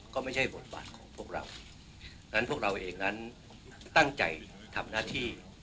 ก็ไม่ใช่บทบาทของพวกเรานั้นพวกเราเองนั้นตั้งใจทำหน้าที่